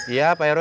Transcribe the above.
iya pak rw